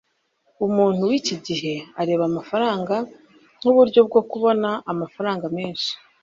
umuntu wiki gihe areba amafaranga nkuburyo bwo kubona amafaranga menshi